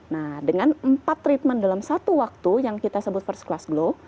nah dengan empat treatment dalam satu waktu yang kita sebut first class glow